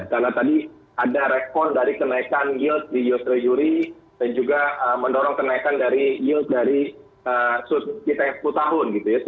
karena tadi ada reform dari kenaikan yield di us treasury dan juga mendorong kenaikan yield dari kita yang sepuluh tahun gitu ya